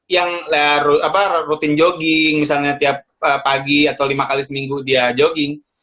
yang rutin jogging misalnya tiap pagi atau lima kali seminggu dia jogging